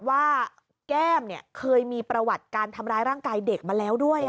ว่าแก้มเคยมีประวัติการทำร้ายร่างกายเด็กมาแล้วด้วย